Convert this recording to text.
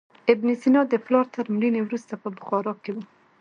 ابن سینا د پلار تر مړینې وروسته په بخارا کې و.